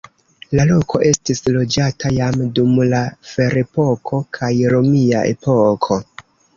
La loko estis loĝata jam dum la ferepoko kaj romia epoko.